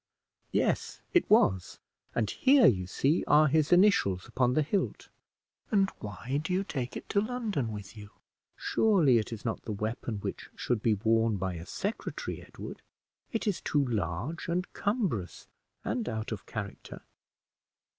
"Yes, it was; and here, you see, are his initials upon the hilt." "And why do you take it to London with you? Surely it is not the weapon which should be worn by a secretary, Edward; it is too large and cumbrous, and out of character."